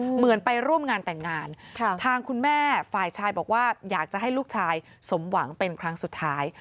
เหมือนไปร่วมงานแต่งงานทางคุณแม่ฝ่ายชายบอกว่าอยากจะให้ลูกชายสมหวังเป็นครั้งสุดท้าย